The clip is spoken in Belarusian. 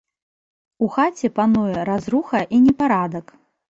У хаце пануе разруха і непарадак.